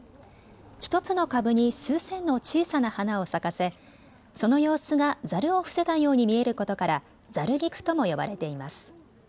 １つの株に数千の小さな花を咲かせ、その様子がざるを伏せたように見えることからざる菊とも呼ばれています。